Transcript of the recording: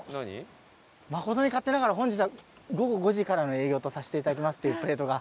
「誠に勝手ながら本日は午後５時からの営業とさせて頂きます」っていうプレートが。